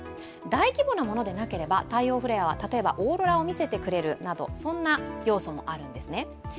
大規模なものでなければ、太陽フレアは例えば、オーロラを見せてくれるなどそんな要素もあるんですね。